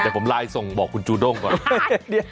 เดี๋ยวผมไลน์ส่งบอกคุณจูด้งก่อน